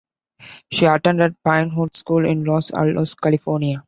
She attended Pinewood School in Los Altos, California.